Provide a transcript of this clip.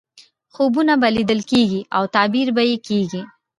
خوبونه به لیدل کېږي او تعبیر به یې کېږي.